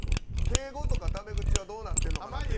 敬語とかタメ口はどうなってんのかなって。